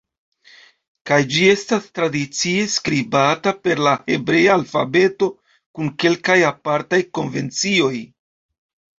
Kaj ĝi estas tradicie skribata per la hebrea alfabeto, kun kelkaj apartaj konvencioj.